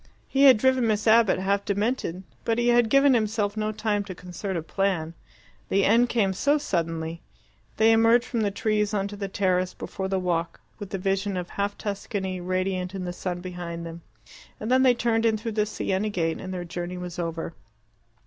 He had driven Miss Abbott half demented, but he had given himself no time to concert a plan. The end came so suddenly. They emerged from the trees on to the terrace before the walk, with the vision of half Tuscany radiant in the sun behind them, and then they turned in through the Siena gate, and their journey was over.